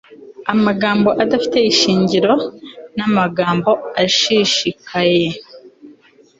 Amagambo adafite ishingiro namagambo ashishikaye